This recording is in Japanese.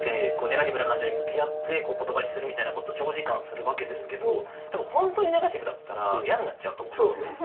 ネガティブな感情に向き合って言葉にするみたいなこと長時間するわけですけど本当にネガティブだったら嫌になっちゃうと思うんですよね。